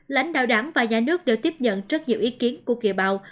lãnh đạo đảng và nhà nước đều tiếp nhận rất nhiều ý kiến của kiều bào